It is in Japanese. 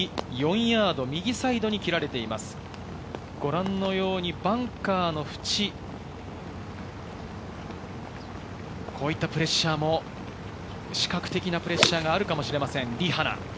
ご覧のようにバンカーの縁、こういったプレッシャーも視覚的なプレッシャーがあるかもしれません、リ・ハナ。